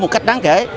một cách tốt nhất